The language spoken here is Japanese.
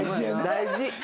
大事！